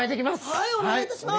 はいお願いいたします。